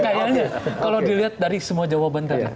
kayaknya kalau dilihat dari semua jawaban tadi